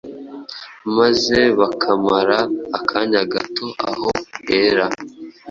maze bakamara akanya gato aho hera,